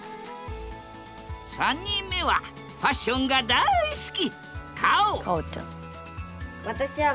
３人目はファッションが大好き！